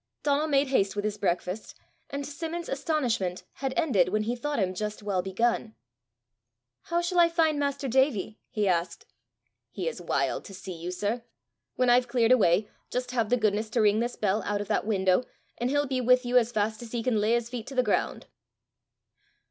Donal made haste with his breakfast, and to Simmons's astonishment had ended when he thought him just well begun. "How shall I find master Davie?" he asked. "He is wild to see you, sir. When I've cleared away, just have the goodness to ring this bell out of that window, and he'll be with you as fast as he can lay his feet to the ground."